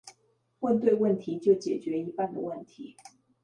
問對問題，就解決一半的問題